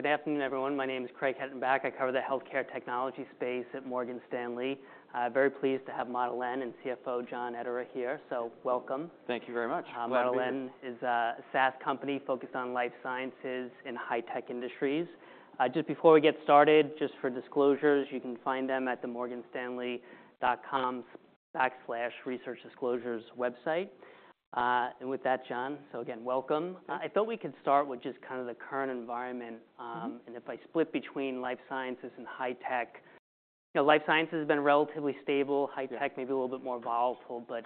Great. Well, good afternoon, everyone. My name is Craig Hettenbach. I cover the health care technology space at Morgan Stanley. Very pleased to have Model N and CFO John Ederer here. So welcome. Thank you very much. Model N is a SaaS company focused on life sciences and high-tech industries. Just before we get started, just for disclosures, you can find them at the morganstanley.com/researchdisclosures website. And with that, John, so again, welcome. I thought we could start with just kind of the current environment. And if I split between life sciences and high-tech, life sciences has been relatively stable. High-tech, maybe a little bit more volatile. But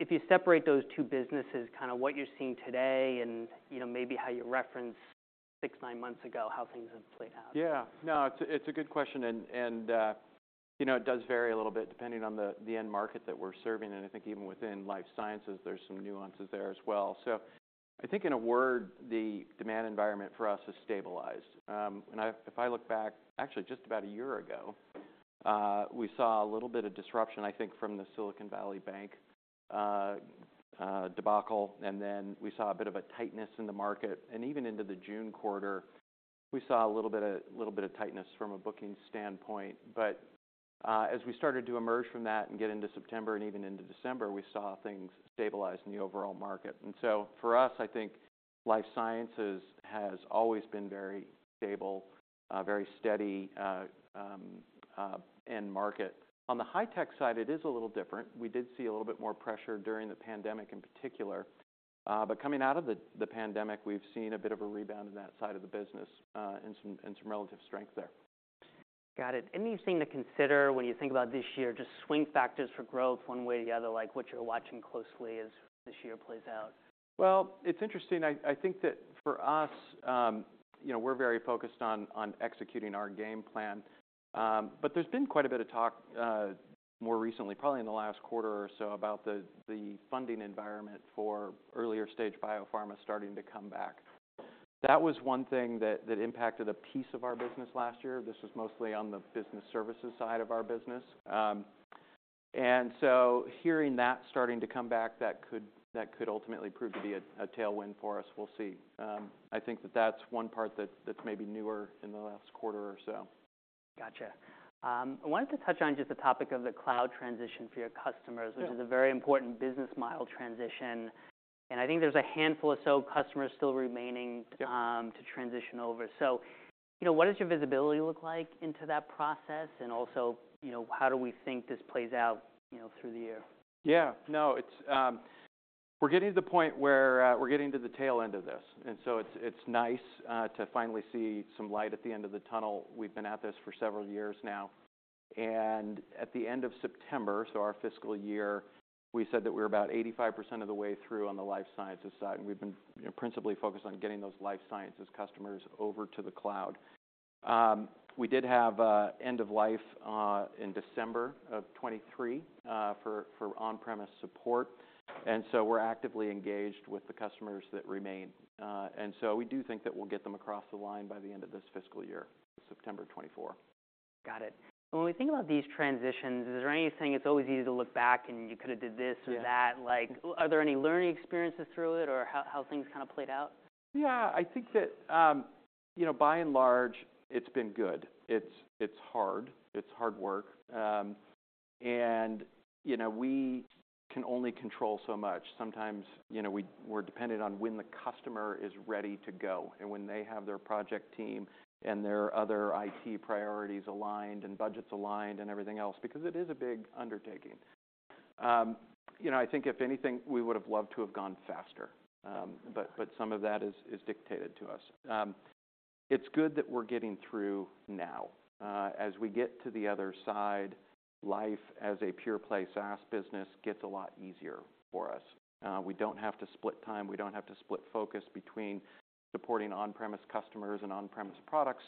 if you separate those two businesses, kind of what you're seeing today and maybe how you referenced six to nine months ago, how things have played out. Yeah. No, it's a good question. And it does vary a little bit depending on the end market that we're serving. And I think even within life sciences, there's some nuances there as well. So I think in a word, the demand environment for us has stabilized. And if I look back, actually just about a year ago, we saw a little bit of disruption, I think, from the Silicon Valley Bank debacle. And then we saw a bit of a tightness in the market. And even into the June quarter, we saw a little bit of tightness from a bookings standpoint. But as we started to emerge from that and get into September and even into December, we saw things stabilize in the overall market. And so for us, I think life sciences has always been very stable, very steady end market. On the high-tech side, it is a little different. We did see a little bit more pressure during the pandemic in particular. But coming out of the pandemic, we've seen a bit of a rebound in that side of the business and some relative strength there. Got it. Anything to consider when you think about this year, just swing factors for growth one way or the other, like what you're watching closely as this year plays out? Well, it's interesting. I think that for us, we're very focused on executing our game plan. But there's been quite a bit of talk more recently, probably in the last quarter or so, about the funding environment for earlier stage biopharma starting to come back. That was one thing that impacted a piece of our business last year. This was mostly on the business services side of our business. And so hearing that starting to come back, that could ultimately prove to be a tailwind for us. We'll see. I think that that's one part that's maybe newer in the last quarter or so. Gotcha. I wanted to touch on just the topic of the cloud transition for your customers, which is a very important business model transition. And I think there's a handful or so customers still remaining to transition over. So what does your visibility look like into that process? And also, how do we think this plays out through the year? Yeah. No, we're getting to the point where we're getting to the tail end of this. And so it's nice to finally see some light at the end of the tunnel. We've been at this for several years now. And at the end of September, so our fiscal year, we said that we were about 85% of the way through on the life sciences side. And we've been principally focused on getting those life sciences customers over to the cloud. We did have end of life in December of 2023 for on-premise support. And so we're actively engaged with the customers that remain. And so we do think that we'll get them across the line by the end of this fiscal year, September 2024. Got it. And when we think about these transitions, is there anything it's always easy to look back and you could have did this or that? Are there any learning experiences through it or how things kind of played out? Yeah. I think that by and large, it's been good. It's hard. It's hard work. And we can only control so much. Sometimes we're dependent on when the customer is ready to go and when they have their project team and their other IT priorities aligned and budgets aligned and everything else, because it is a big undertaking. I think if anything, we would have loved to have gone faster. But some of that is dictated to us. It's good that we're getting through now. As we get to the other side, life as a pure-play SaaS business gets a lot easier for us. We don't have to split time. We don't have to split focus between supporting on-premise customers and on-premise products.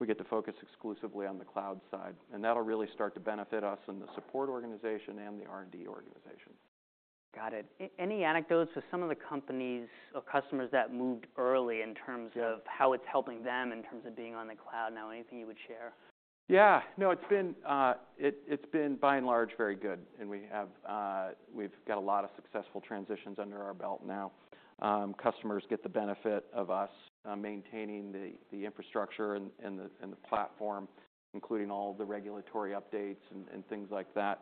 We get to focus exclusively on the cloud side. And that'll really start to benefit us in the support organization and the R&D organization. Got it. Any anecdotes with some of the companies or customers that moved early in terms of how it's helping them in terms of being on the cloud now? Anything you would share? Yeah. No, it's been by and large very good. We've got a lot of successful transitions under our belt now. Customers get the benefit of us maintaining the infrastructure and the platform, including all of the regulatory updates and things like that.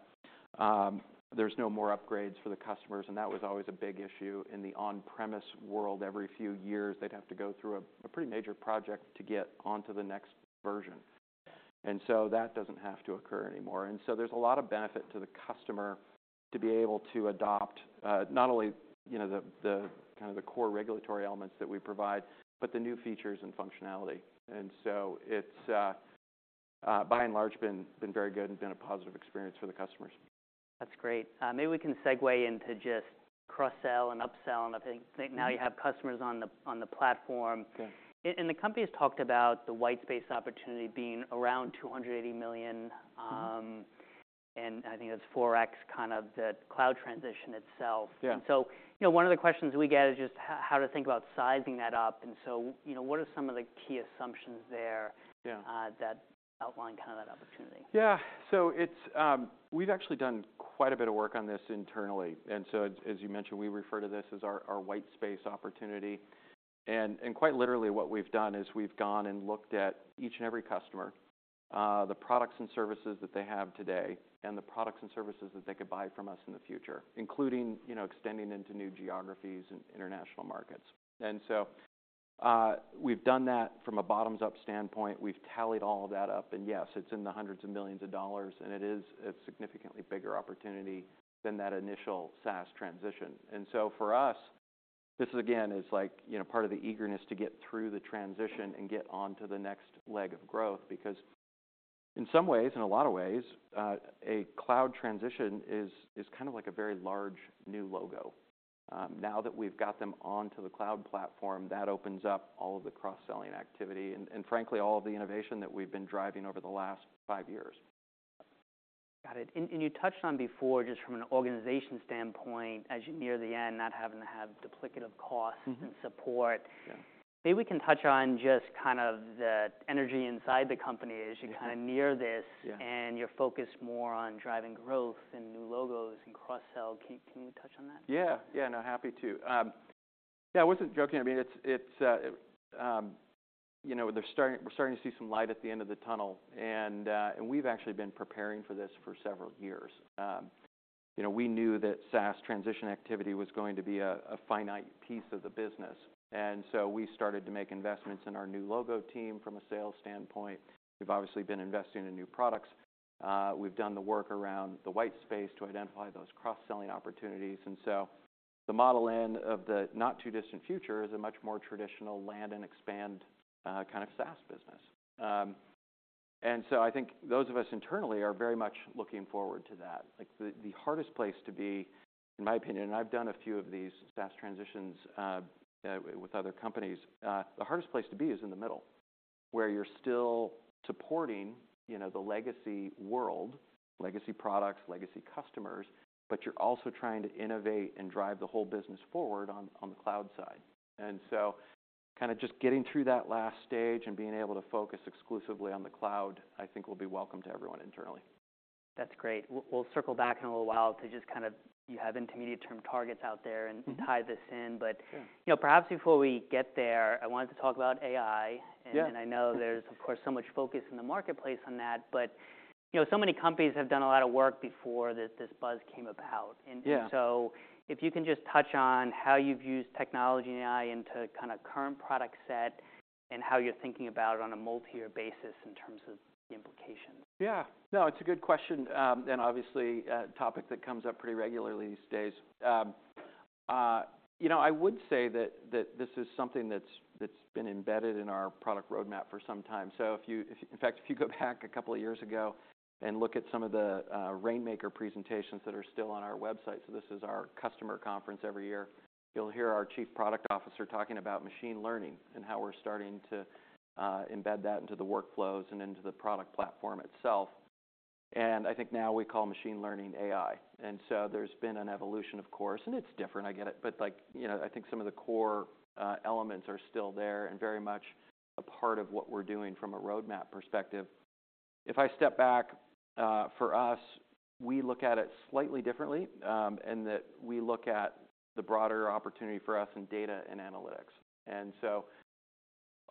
There's no more upgrades for the customers. That was always a big issue. In the on-premise world, every few years, they'd have to go through a pretty major project to get onto the next version. So that doesn't have to occur anymore. There's a lot of benefit to the customer to be able to adopt not only kind of the core regulatory elements that we provide, but the new features and functionality. It's by and large been very good and been a positive experience for the customers. That's great. Maybe we can segue into just cross-sell and up-sell. And I think now you have customers on the platform. And the company has talked about the white space opportunity being around $280 million. And I think that's 4x kind of the cloud transition itself. And so one of the questions we get is just how to think about sizing that up. And so what are some of the key assumptions there that outline kind of that opportunity? Yeah. So we've actually done quite a bit of work on this internally. And so as you mentioned, we refer to this as our white space opportunity. And quite literally, what we've done is we've gone and looked at each and every customer, the products and services that they have today, and the products and services that they could buy from us in the future, including extending into new geographies and international markets. And so we've done that from a bottoms-up standpoint. We've tallied all of that up. And yes, it's in the hundreds of millions dollars. And it is a significantly bigger opportunity than that initial SaaS transition. And so for us, this again is like part of the eagerness to get through the transition and get onto the next leg of growth. Because in some ways and a lot of ways, a cloud transition is kind of like a very large new logo. Now that we've got them onto the cloud platform, that opens up all of the cross-selling activity and frankly, all of the innovation that we've been driving over the last five years. Got it. You touched on before, just from an organization standpoint, as you near the end, not having to have duplicative costs and support. Maybe we can touch on just kind of the energy inside the company as you kind of near this and you're focused more on driving growth and new logos and cross-sell. Can we touch on that? Yeah. Yeah. No, happy to. Yeah, I wasn't joking. I mean, we're starting to see some light at the end of the tunnel. And we've actually been preparing for this for several years. We knew that SaaS transition activity was going to be a finite piece of the business. And so we started to make investments in our new logo team from a sales standpoint. We've obviously been investing in new products. We've done the work around the white space to identify those cross-selling opportunities. And so the Model N of the not-too-distant future is a much more traditional land-and-expand kind of SaaS business. And so I think those of us internally are very much looking forward to that. The hardest place to be, in my opinion and I've done a few of these SaaS transitions with other companies, the hardest place to be is in the middle, where you're still supporting the legacy world, legacy products, legacy customers. But you're also trying to innovate and drive the whole business forward on the cloud side. And so kind of just getting through that last stage and being able to focus exclusively on the cloud, I think, will be welcome to everyone internally. That's great. We'll circle back in a little while to just kind of you have intermediate-term targets out there and tie this in. But perhaps before we get there, I wanted to talk about AI. And I know there's, of course, so much focus in the marketplace on that. But so many companies have done a lot of work before this buzz came about. And so if you can just touch on how you've used technology and AI into kind of current product set and how you're thinking about it on a multi-year basis in terms of the implications. Yeah. No, it's a good question and obviously a topic that comes up pretty regularly these days. I would say that this is something that's been embedded in our product roadmap for some time. So in fact, if you go back a couple of years ago and look at some of the Rainmaker presentations that are still on our website, so this is our customer conference every year, you'll hear our Chief Product Officer talking about machine learning and how we're starting to embed that into the workflows and into the product platform itself. And I think now we call machine learning AI. And so there's been an evolution, of course. And it's different. I get it. But I think some of the core elements are still there and very much a part of what we're doing from a roadmap perspective. If I step back, for us, we look at it slightly differently in that we look at the broader opportunity for us in data and analytics. So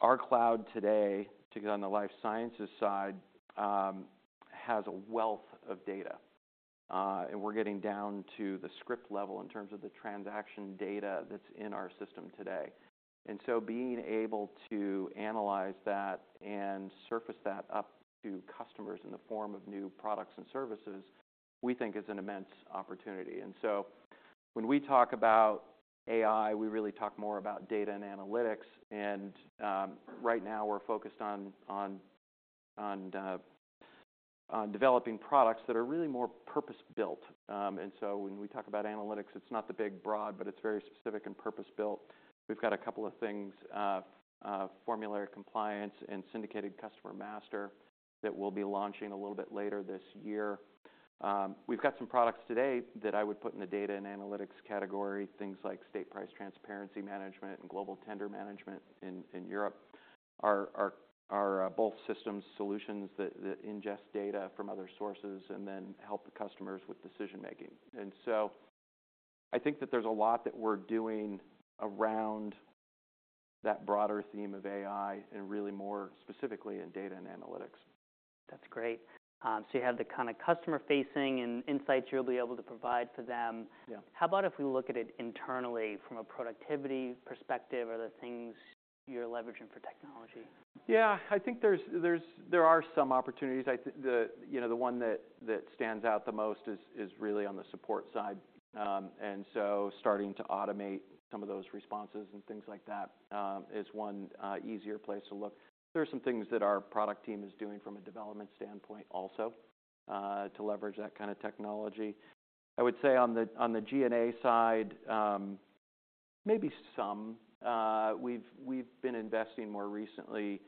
our cloud today, on the life sciences side, has a wealth of data. And we're getting down to the script level in terms of the transaction data that's in our system today. So being able to analyze that and surface that up to customers in the form of new products and services, we think, is an immense opportunity. So when we talk about AI, we really talk more about data and analytics. And right now, we're focused on developing products that are really more purpose-built. So when we talk about analytics, it's not the big, broad, but it's very specific and purpose-built. We've got a couple of things, Formulary Compliance and Syndicated Customer Master, that we'll be launching a little bit later this year. We've got some products today that I would put in the data and analytics category, things like State Price Transparency Management and Global Tender Management in Europe, are both systems solutions that ingest data from other sources and then help the customers with decision making. And so I think that there's a lot that we're doing around that broader theme of AI and really more specifically in data and analytics. That's great. So you have the kind of customer-facing insights you'll be able to provide for them. How about if we look at it internally from a productivity perspective or the things you're leveraging for technology? Yeah. I think there are some opportunities. The one that stands out the most is really on the support side. And so starting to automate some of those responses and things like that is one easier place to look. There are some things that our product team is doing from a development standpoint also to leverage that kind of technology. I would say on the G&A side, maybe some. We've been investing more recently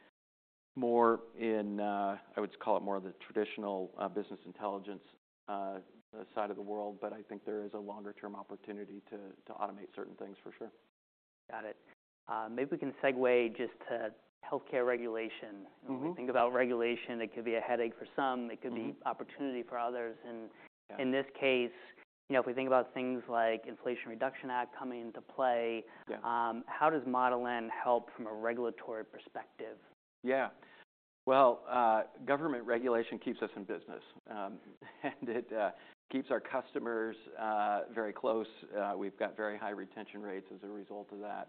more in, I would call it, more of the traditional business intelligence side of the world. But I think there is a longer-term opportunity to automate certain things, for sure. Got it. Maybe we can segue just to health care regulation. When we think about regulation, it could be a headache for some. It could be opportunity for others. And in this case, if we think about things like the Inflation Reduction Act coming into play, how does Model N help from a regulatory perspective? Yeah. Well, government regulation keeps us in business. And it keeps our customers very close. We've got very high retention rates as a result of that.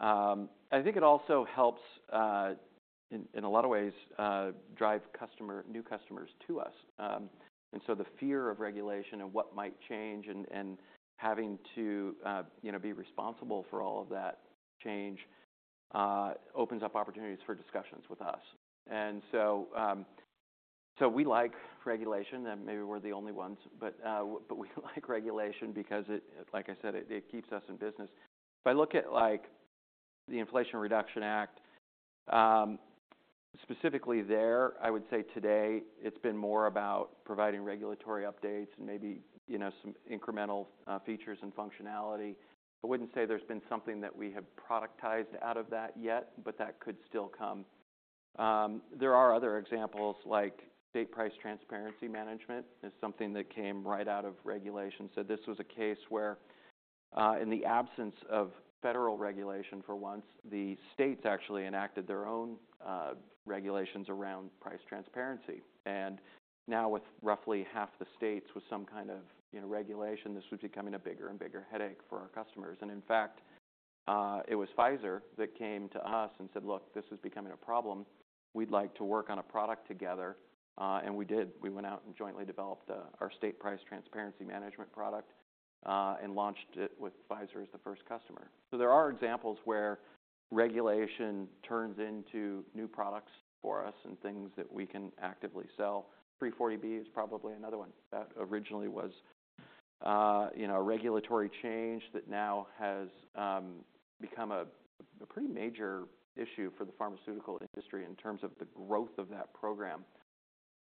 I think it also helps, in a lot of ways, drive new customers to us. And so the fear of regulation and what might change and having to be responsible for all of that change opens up opportunities for discussions with us. And so we like regulation. And maybe we're the only ones. But we like regulation because, like I said, it keeps us in business. If I look at the Inflation Reduction Act, specifically there, I would say today it's been more about providing regulatory updates and maybe some incremental features and functionality. I wouldn't say there's been something that we have productized out of that yet. But that could still come. There are other examples, like State Price Transparency Management is something that came right out of regulation. So this was a case where, in the absence of federal regulation for once, the states actually enacted their own regulations around price transparency. And now with roughly half the states with some kind of regulation, this was becoming a bigger and bigger headache for our customers. And in fact, it was Pfizer that came to us and said, look, this is becoming a problem. We'd like to work on a product together. And we did. We went out and jointly developed our State Price Transparency Management product and launched it with Pfizer as the first customer. So there are examples where regulation turns into new products for us and things that we can actively sell. 340B is probably another one. That originally was a regulatory change that now has become a pretty major issue for the pharmaceutical industry in terms of the growth of that program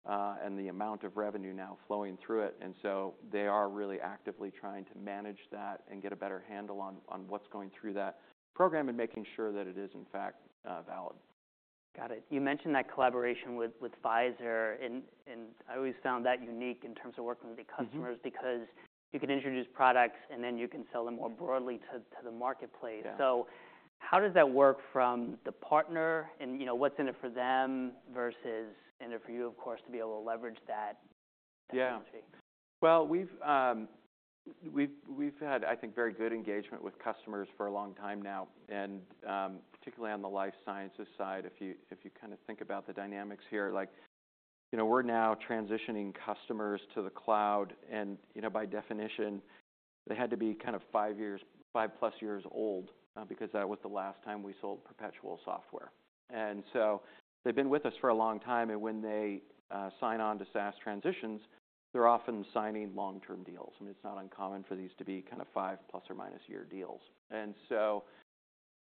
and the amount of revenue now flowing through it. And so they are really actively trying to manage that and get a better handle on what's going through that program and making sure that it is, in fact, valid. Got it. You mentioned that collaboration with Pfizer. I always found that unique in terms of working with the customers because you can introduce products, and then you can sell them more broadly to the marketplace. How does that work from the partner? And what's in it for them versus in it for you, of course, to be able to leverage that technology? Yeah. Well, we've had, I think, very good engagement with customers for a long time now, and particularly on the life sciences side. If you kind of think about the dynamics here, we're now transitioning customers to the cloud. And by definition, they had to be kind of 5+ years old because that was the last time we sold perpetual software. And so they've been with us for a long time. And when they sign on to SaaS transitions, they're often signing long-term deals. I mean, it's not uncommon for these to be kind of 5± year deals. And so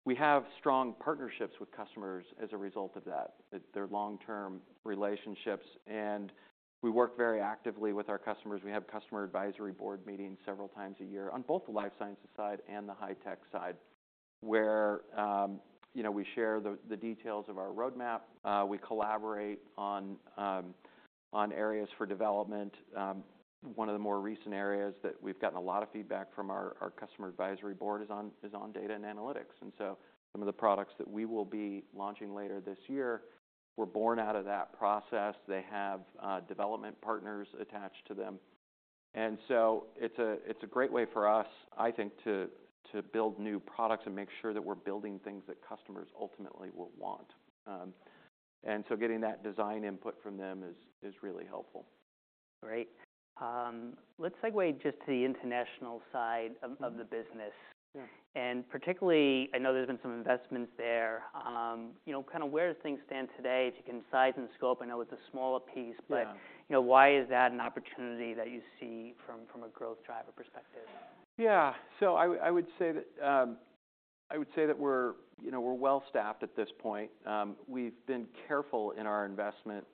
we have strong partnerships with customers as a result of that, their long-term relationships. And we work very actively with our customers. We have customer advisory board meetings several times a year on both the life sciences side and the high-tech side, where we share the details of our roadmap. We collaborate on areas for development. One of the more recent areas that we've gotten a lot of feedback from our customer advisory board is on data and analytics. And so some of the products that we will be launching later this year were born out of that process. They have development partners attached to them. And so it's a great way for us, I think, to build new products and make sure that we're building things that customers ultimately will want. And so getting that design input from them is really helpful. Great. Let's segue just to the international side of the business. And particularly, I know there's been some investments there. Kind of where does things stand today if you can size and scope? I know it's a smaller piece. But why is that an opportunity that you see from a growth driver perspective? Yeah. So I would say that we're well-staffed at this point. We've been careful in our investment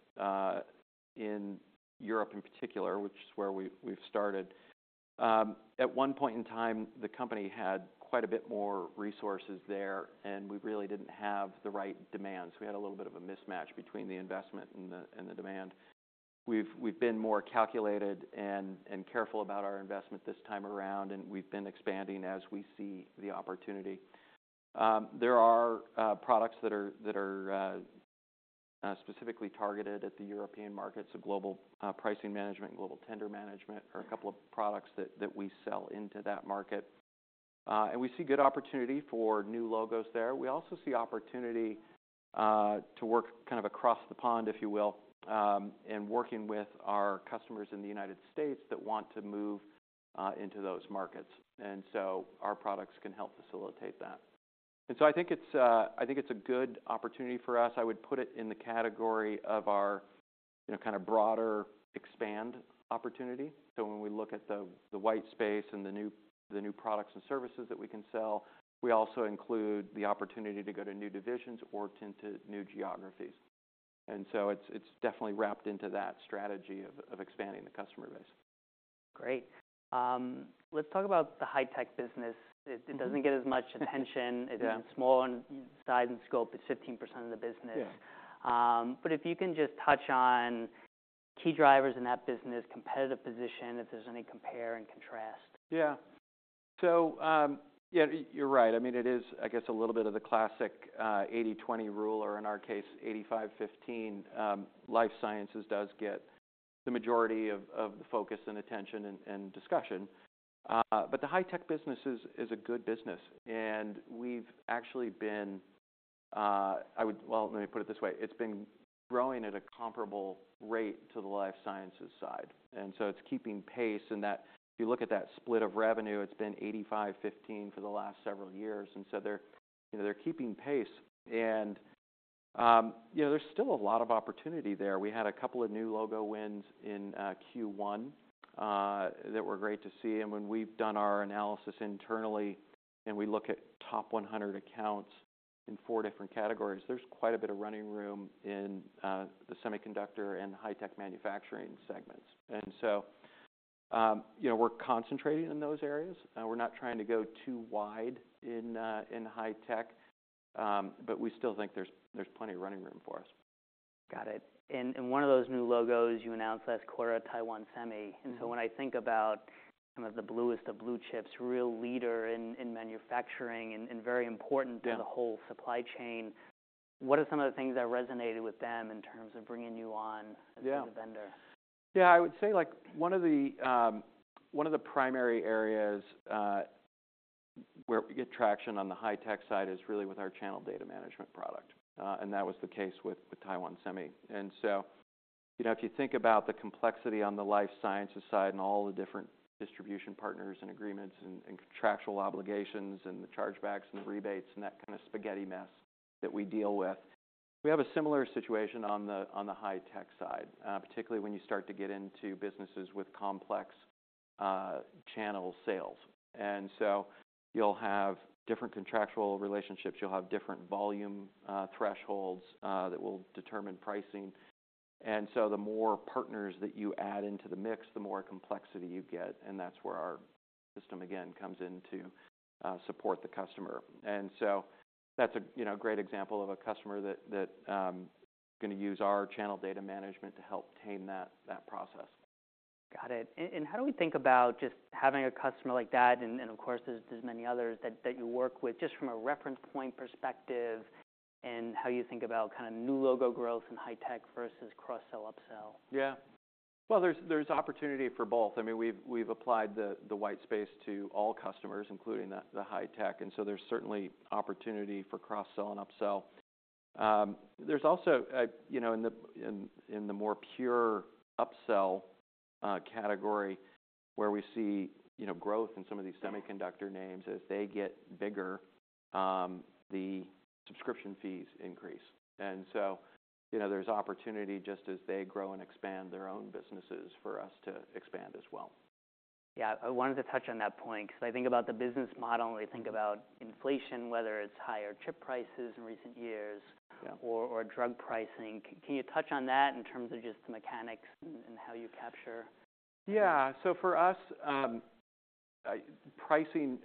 in Europe in particular, which is where we've started. At one point in time, the company had quite a bit more resources there. And we really didn't have the right demands. We had a little bit of a mismatch between the investment and the demand. We've been more calculated and careful about our investment this time around. And we've been expanding as we see the opportunity. There are products that are specifically targeted at the European markets, so Global Pricing Management and Global Tender Management are a couple of products that we sell into that market. And we see good opportunity for new logos there. We also see opportunity to work kind of across the pond, if you will, in working with our customers in the United States that want to move into those markets. And so our products can help facilitate that. And so I think it's a good opportunity for us. I would put it in the category of our kind of broader expand opportunity. So when we look at the white space and the new products and services that we can sell, we also include the opportunity to go to new divisions or to new geographies. And so it's definitely wrapped into that strategy of expanding the customer base. Great. Let's talk about the high-tech business. It doesn't get as much attention. It's small in size and scope. It's 15% of the business. But if you can just touch on key drivers in that business, competitive position, if there's any compare and contrast. Yeah. So you're right. I mean, it is, I guess, a little bit of the classic 80/20 rule or, in our case, 85/15. Life sciences does get the majority of the focus and attention and discussion. But the high-tech business is a good business. And we've actually been well, let me put it this way. It's been growing at a comparable rate to the life sciences side. And so it's keeping pace. And if you look at that split of revenue, it's been 85/15 for the last several years. And so they're keeping pace. And there's still a lot of opportunity there. We had a couple of new logo wins in Q1 that were great to see. And when we've done our analysis internally, and we look at top 100 accounts in four different categories, there's quite a bit of running room in the semiconductor and high-tech manufacturing segments. And so we're concentrating in those areas. We're not trying to go too wide in high-tech. But we still think there's plenty of running room for us. Got it. One of those new logos you announced last quarter was Taiwan Semi. When I think about kind of the bluest of blue chips, a real leader in manufacturing and very important to the whole supply chain, what are some of the things that resonated with them in terms of bringing you on as a vendor? Yeah. I would say one of the primary areas where we get traction on the high-tech side is really with our Channel Data Management product. That was the case with Taiwan Semi. So if you think about the complexity on the life sciences side and all the different distribution partners and agreements and contractual obligations and the chargebacks and the rebates and that kind of spaghetti mess that we deal with, we have a similar situation on the high-tech side, particularly when you start to get into businesses with complex channel sales. You'll have different contractual relationships. You'll have different volume thresholds that will determine pricing. The more partners that you add into the mix, the more complexity you get. That's where our system, again, comes in to support the customer. And so that's a great example of a customer that's going to use our Channel Data Management to help tame that process. Got it. And how do we think about just having a customer like that? And of course, there's many others that you work with just from a reference point perspective in how you think about kind of new logo growth and high-tech versus cross-sell, upsell? Yeah. Well, there's opportunity for both. I mean, we've applied the white space to all customers, including the high-tech. And so there's certainly opportunity for cross-sell and upsell. There's also, in the more pure upsell category, where we see growth in some of these semiconductor names, as they get bigger, the subscription fees increase. And so there's opportunity just as they grow and expand their own businesses for us to expand as well. Yeah. I wanted to touch on that point because I think about the business model. We think about inflation, whether it's higher chip prices in recent years or drug pricing. Can you touch on that in terms of just the mechanics and how you capture? Yeah. So for us, pricing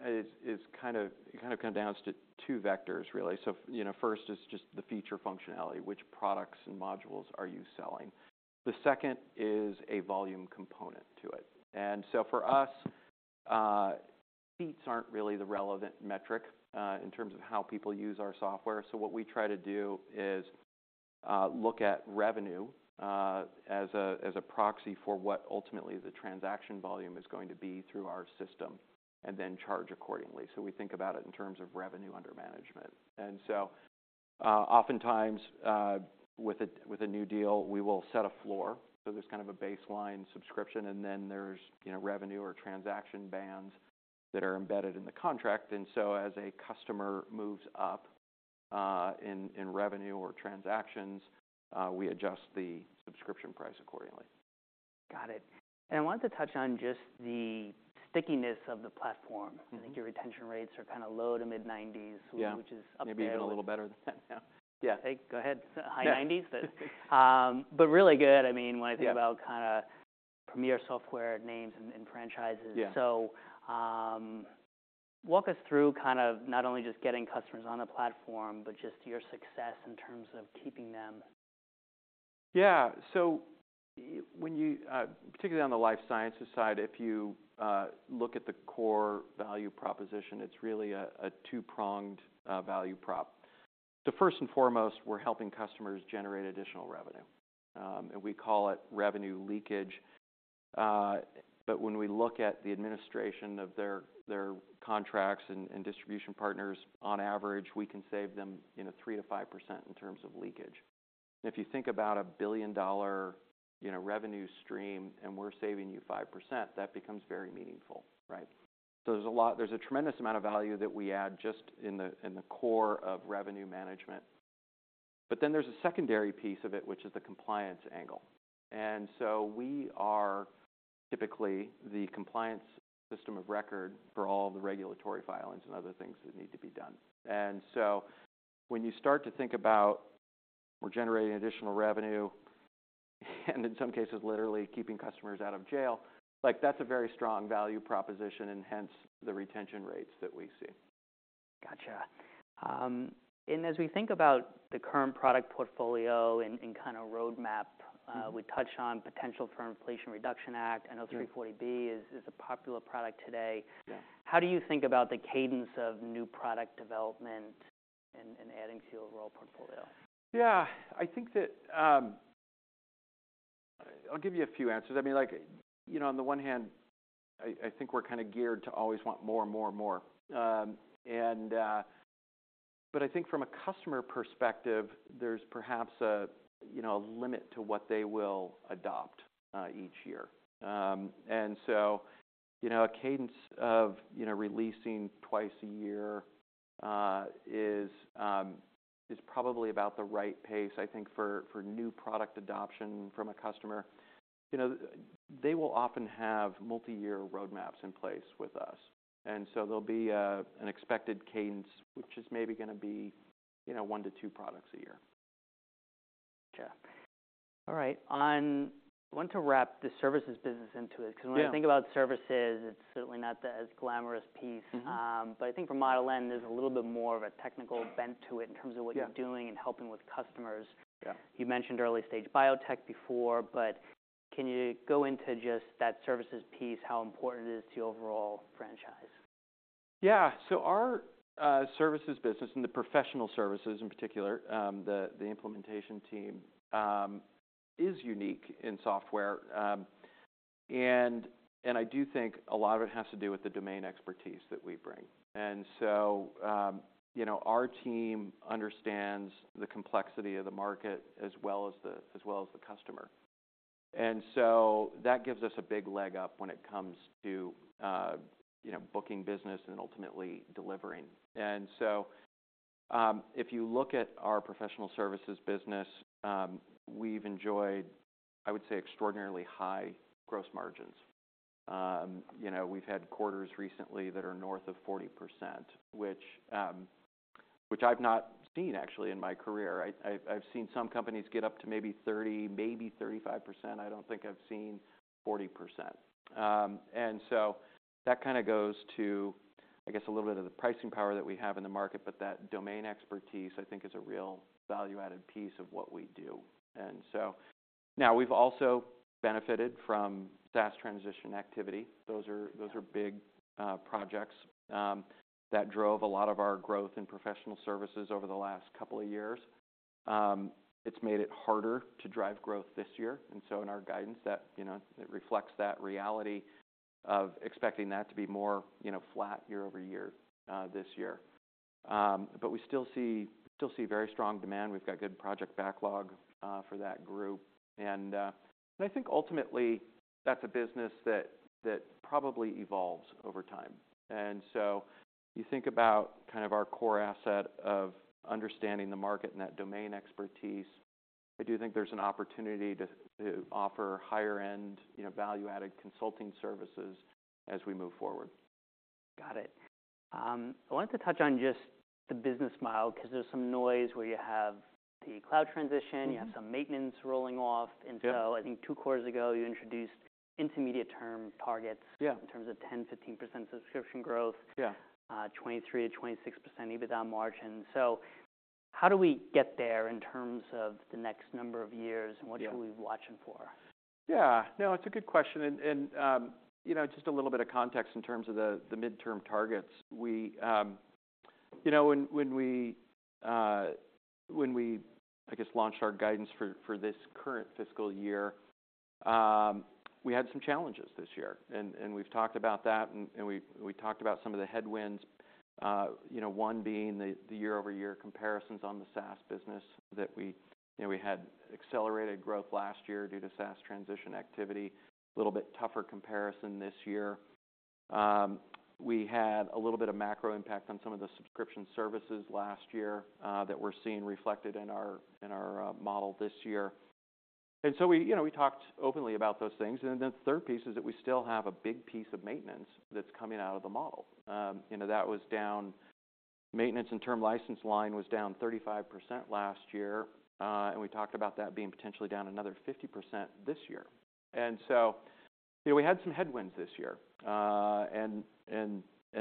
kind of comes down to two vectors, really. So first is just the feature functionality, which products and modules are you selling? The second is a volume component to it. And so for us, seats aren't really the relevant metric in terms of how people use our software. So what we try to do is look at revenue as a proxy for what, ultimately, the transaction volume is going to be through our system and then charge accordingly. So we think about it in terms of revenue under management. And so oftentimes, with a new deal, we will set a floor. So there's kind of a baseline subscription. And then there's revenue or transaction bands that are embedded in the contract. And so as a customer moves up in revenue or transactions, we adjust the subscription price accordingly. Got it. I wanted to touch on just the stickiness of the platform. I think your retention rates are kind of low- to mid-90%s, which is up there. Yeah. Maybe even a little better than that now. Yeah. Hey, go ahead. High 90%s? But really good. I mean, when I think about kind of premier software names and franchises. So walk us through kind of not only just getting customers on the platform, but just your success in terms of keeping them. Yeah. So particularly on the life sciences side, if you look at the core value proposition, it's really a two-pronged value prop. So first and foremost, we're helping customers generate additional revenue. And we call it revenue leakage. But when we look at the administration of their contracts and distribution partners, on average, we can save them 3%-5% in terms of leakage. And if you think about a $1 billion revenue stream, and we're saving you 5%, that becomes very meaningful. So there's a tremendous amount of value that we add just in the core of revenue management. But then there's a secondary piece of it, which is the compliance angle. And so we are typically the compliance system of record for all of the regulatory filings and other things that need to be done. And so when you start to think about we're generating additional revenue and, in some cases, literally keeping customers out of jail, that's a very strong value proposition, and hence the retention rates that we see. Gotcha. And as we think about the current product portfolio and kind of roadmap, we touched on potential for Inflation Reduction Act. I know 340B is a popular product today. How do you think about the cadence of new product development and adding to your overall portfolio? Yeah. I think that I'll give you a few answers. I mean, on the one hand, I think we're kind of geared to always want more and more and more. But I think from a customer perspective, there's perhaps a limit to what they will adopt each year. And so a cadence of releasing twice a year is probably about the right pace, I think, for new product adoption from a customer. They will often have multi-year roadmaps in place with us. And so there'll be an expected cadence, which is maybe going to be one to two products a year. Gotcha. All right. I want to wrap the services business into it because when I think about services, it's certainly not as glamorous piece. But I think for Model N, there's a little bit more of a technical bent to it in terms of what you're doing and helping with customers. You mentioned early-stage biotech before. But can you go into just that services piece, how important it is to your overall franchise? Yeah. So our services business and the professional services in particular, the implementation team, is unique in software. And I do think a lot of it has to do with the domain expertise that we bring. And so our team understands the complexity of the market as well as the customer. And so that gives us a big leg up when it comes to booking business and ultimately delivering. And so if you look at our professional services business, we've enjoyed, I would say, extraordinarily high gross margins. We've had quarters recently that are north of 40%, which I've not seen, actually, in my career. I've seen some companies get up to maybe 30%, maybe 35%. I don't think I've seen 40%. And so that kind of goes to, I guess, a little bit of the pricing power that we have in the market. But that domain expertise, I think, is a real value-added piece of what we do. And so now we've also benefited from SaaS transition activity. Those are big projects that drove a lot of our growth in professional services over the last couple of years. It's made it harder to drive growth this year. And so in our guidance, it reflects that reality of expecting that to be more flat year over year this year. But we still see very strong demand. We've got good project backlog for that group. And I think, ultimately, that's a business that probably evolves over time. And so you think about kind of our core asset of understanding the market and that domain expertise, I do think there's an opportunity to offer higher-end value-added consulting services as we move forward. Got it. I wanted to touch on just the business model because there's some noise where you have the cloud transition. You have some maintenance rolling off. And so I think two quarters ago, you introduced intermediate-term targets in terms of 10%, 15% subscription growth, 23%-26% EBITDA margin. So how do we get there in terms of the next number of years? And what should we be watching for? Yeah. No, it's a good question. Just a little bit of context in terms of the mid-term targets, when we launched our guidance for this current fiscal year, we had some challenges this year. We've talked about that. We talked about some of the headwinds, one being the year-over-year comparisons on the SaaS business that we had accelerated growth last year due to SaaS transition activity, a little bit tougher comparison this year. We had a little bit of macro impact on some of the subscription services last year that we're seeing reflected in our model this year. So we talked openly about those things. Then the third piece is that we still have a big piece of maintenance that's coming out of the model. That was down maintenance and term license line was down 35% last year. We talked about that being potentially down another 50% this year. So we had some headwinds this year.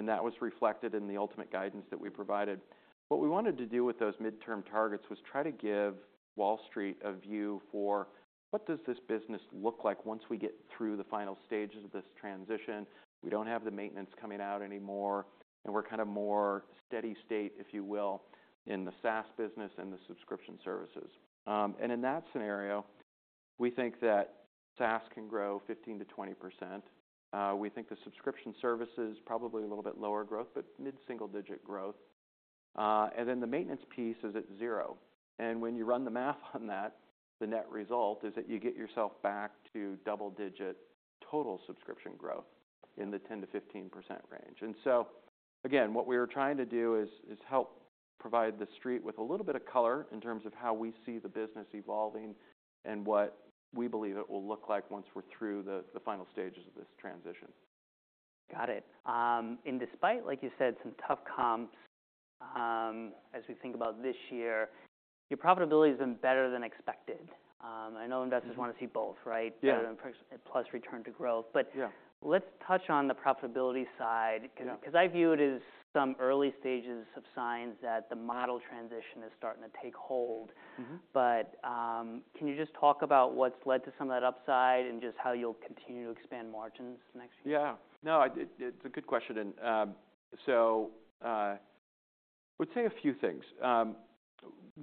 That was reflected in the ultimate guidance that we provided. What we wanted to do with those mid-term targets was try to give Wall Street a view for what does this business look like once we get through the final stages of this transition? We don't have the maintenance coming out anymore. We're kind of more steady state, if you will, in the SaaS business and the subscription services. In that scenario, we think that SaaS can grow 15%-20%. We think the subscription services probably a little bit lower growth, but mid-single digit growth. Then the maintenance piece is at zero. When you run the math on that, the net result is that you get yourself back to double-digit total subscription growth in the 10%-15% range. So again, what we were trying to do is help provide the street with a little bit of color in terms of how we see the business evolving and what we believe it will look like once we're through the final stages of this transition. Got it. Despite, like you said, some tough comps, as we think about this year, your profitability has been better than expected. I know investors want to see both, right, plus return to growth. But let's touch on the profitability side because I view it as some early stages of signs that the model transition is starting to take hold. Can you just talk about what's led to some of that upside and just how you'll continue to expand margins next year? Yeah. No, it's a good question. And so I would say a few things.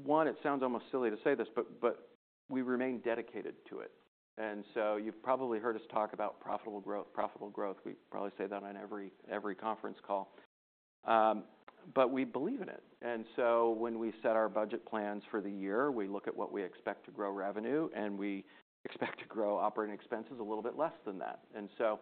One, it sounds almost silly to say this, but we remain dedicated to it. And so you've probably heard us talk about profitable growth, profitable growth. We probably say that on every conference call. But we believe in it. And so when we set our budget plans for the year, we look at what we expect to grow revenue. And we expect to grow operating expenses a little bit less than that. And so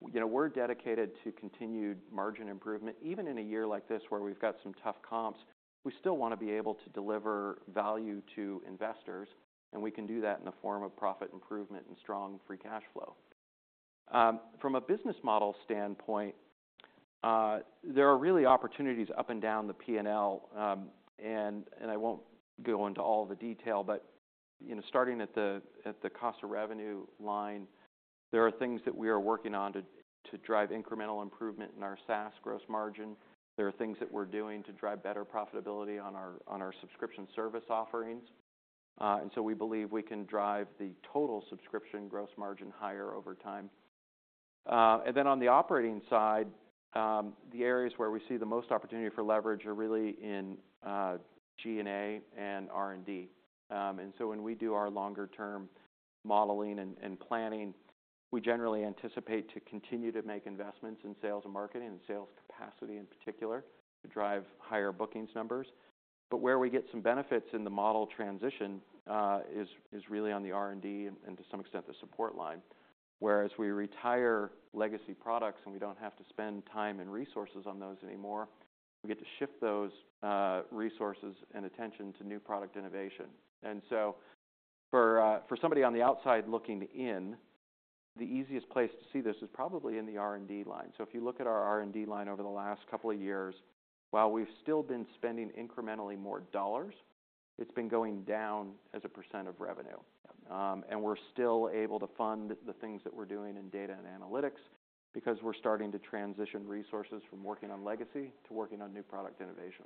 we're dedicated to continued margin improvement. Even in a year like this, where we've got some tough comps, we still want to be able to deliver value to investors. And we can do that in the form of profit improvement and strong free cash flow. From a business model standpoint, there are really opportunities up and down the P&L. And I won't go into all the detail. But starting at the cost of revenue line, there are things that we are working on to drive incremental improvement in our SaaS gross margin. There are things that we're doing to drive better profitability on our subscription service offerings. And so we believe we can drive the total subscription gross margin higher over time. And then on the operating side, the areas where we see the most opportunity for leverage are really in G&A and R&D. And so when we do our longer-term modeling and planning, we generally anticipate to continue to make investments in sales and marketing and sales capacity in particular to drive higher bookings numbers. But where we get some benefits in the model transition is really on the R&D and, to some extent, the support line. Whereas we retire legacy products, and we don't have to spend time and resources on those anymore, we get to shift those resources and attention to new product innovation. And so for somebody on the outside looking in, the easiest place to see this is probably in the R&D line. So if you look at our R&D line over the last couple of years, while we've still been spending incrementally more dollars, it's been going down as a % of revenue. And we're still able to fund the things that we're doing in data and analytics because we're starting to transition resources from working on legacy to working on new product innovation.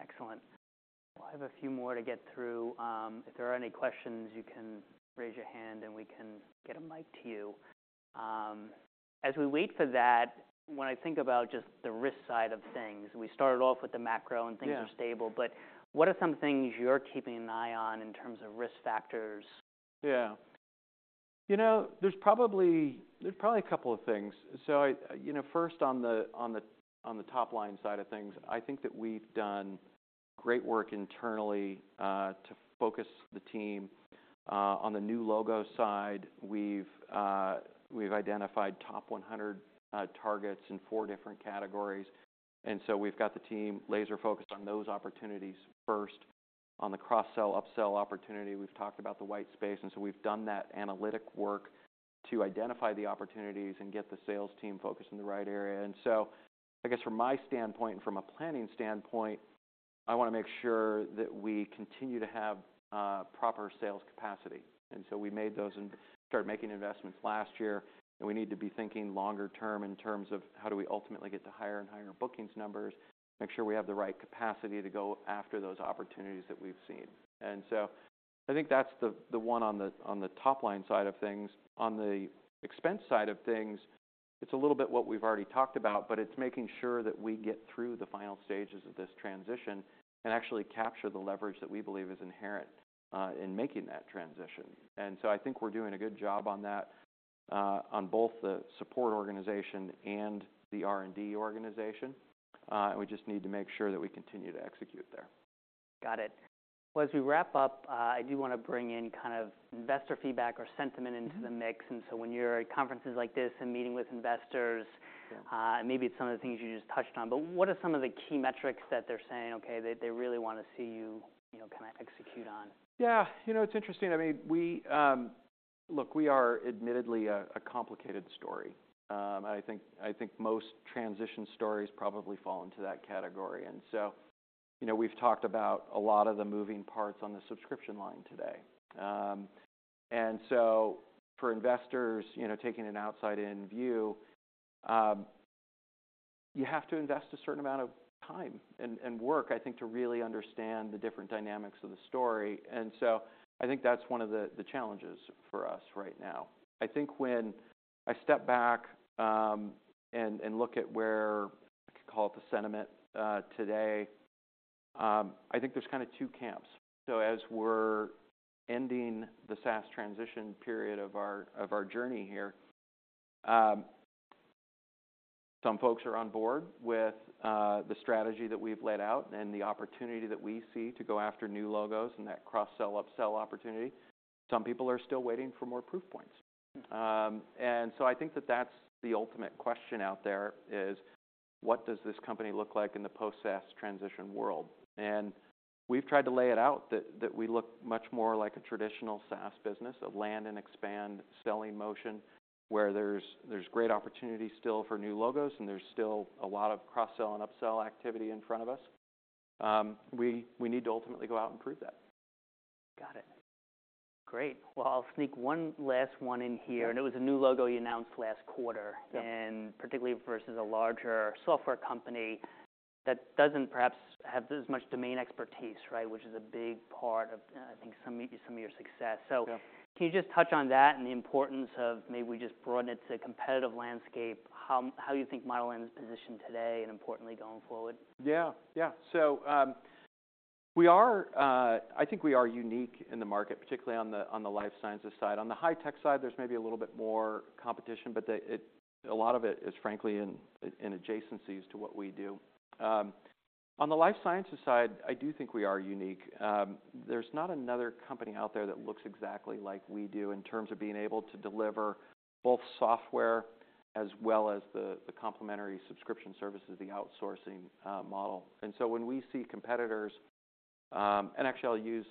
Excellent. Well, I have a few more to get through. If there are any questions, you can raise your hand. We can get a mic to you. As we wait for that, when I think about just the risk side of things, we started off with the macro, and things are stable. What are some things you're keeping an eye on in terms of risk factors? Yeah. You know, there's probably a couple of things. So first, on the top line side of things, I think that we've done great work internally to focus the team. On the new logo side, we've identified top 100 targets in four different categories. And so we've got the team laser-focused on those opportunities first, on the cross-sell, upsell opportunity. We've talked about the white space. And so we've done that analytic work to identify the opportunities and get the sales team focused in the right area. And so I guess from my standpoint and from a planning standpoint, I want to make sure that we continue to have proper sales capacity. And so we made those and started making investments last year. We need to be thinking longer-term in terms of how do we ultimately get to higher and higher bookings numbers, make sure we have the right capacity to go after those opportunities that we've seen. So I think that's the one on the top line side of things. On the expense side of things, it's a little bit what we've already talked about. But it's making sure that we get through the final stages of this transition and actually capture the leverage that we believe is inherent in making that transition. So I think we're doing a good job on that on both the support organization and the R&D organization. We just need to make sure that we continue to execute there. Got it. Well, as we wrap up, I do want to bring in kind of investor feedback or sentiment into the mix. And so when you're at conferences like this and meeting with investors, maybe it's some of the things you just touched on. But what are some of the key metrics that they're saying, ok, they really want to see you kind of execute on? Yeah. You know, it's interesting. I mean, look, we are admittedly a complicated story. I think most transition stories probably fall into that category. And so we've talked about a lot of the moving parts on the subscription line today. And so for investors, taking an outside-in view, you have to invest a certain amount of time and work, I think, to really understand the different dynamics of the story. And so I think that's one of the challenges for us right now. I think when I step back and look at where I could call it the sentiment today, I think there's kind of two camps. So as we're ending the SaaS transition period of our journey here, some folks are on board with the strategy that we've laid out and the opportunity that we see to go after new logos and that cross-sell, upsell opportunity. Some people are still waiting for more proof points. And so I think that that's the ultimate question out there is, what does this company look like in the post-SaaS transition world? And we've tried to lay it out that we look much more like a traditional SaaS business, a land-and-expand selling motion, where there's great opportunity still for new logos. And there's still a lot of cross-sell and upsell activity in front of us. We need to ultimately go out and prove that. Got it. Great. Well, I'll sneak one last one in here. And it was a new logo you announced last quarter, and particularly versus a larger software company that doesn't perhaps have as much domain expertise, which is a big part of, I think, some of your success. So can you just touch on that and the importance of maybe we just broaden it to a competitive landscape, how you think Model N is positioned today and, importantly, going forward? Yeah. Yeah. So I think we are unique in the market, particularly on the life sciences side. On the high-tech side, there's maybe a little bit more competition. But a lot of it is, frankly, in adjacencies to what we do. On the life sciences side, I do think we are unique. There's not another company out there that looks exactly like we do in terms of being able to deliver both software as well as the complementary subscription services, the outsourcing model. And so when we see competitors and actually, I'll use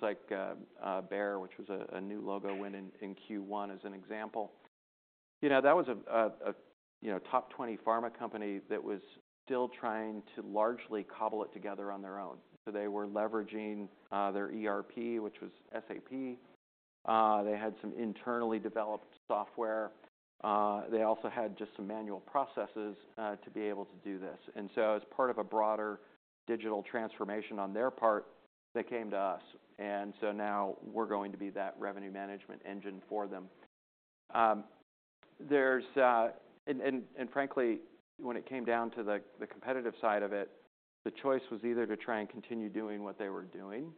Bayer, which was a new logo win in Q1 as an example. That was a top 20 pharma company that was still trying to largely cobble it together on their own. So they were leveraging their ERP, which was SAP. They had some internally developed software. They also had just some manual processes to be able to do this. And so as part of a broader digital transformation on their part, they came to us. And so now, we're going to be that revenue management engine for them. And frankly, when it came down to the competitive side of it, the choice was either to try and continue doing what they were doing.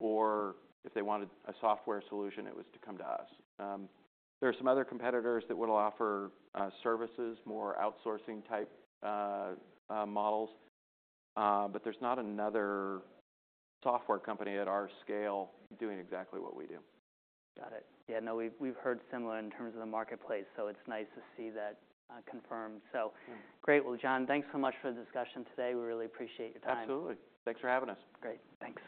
Or if they wanted a software solution, it was to come to us. There are some other competitors that will offer services, more outsourcing-type models. But there's not another software company at our scale doing exactly what we do. Got it. Yeah. No, we've heard similar in terms of the marketplace. So it's nice to see that confirmed. So great. Well, John, thanks so much for the discussion today. We really appreciate your time. Absolutely. Thanks for having us. Great. Thanks.